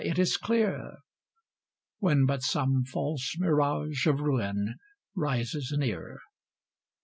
it is clear " When but some false mirage of ruin rises near.